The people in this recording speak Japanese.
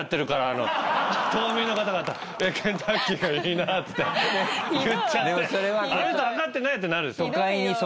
あの人分かってないってなる。